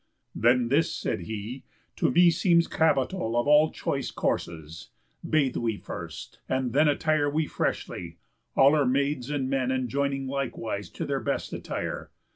"Then this," said he, "to me seems capital Of all choice courses: Bathe we first, and then Attire we freshly; all our maids and men Enjoining likewise to their best attire.